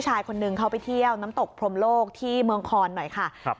ชายคนนึงเขาไปเที่ยวน้ำตกพรมโลกที่เมืองคอนหน่อยค่ะครับ